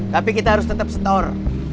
tapi kita harus tetap snor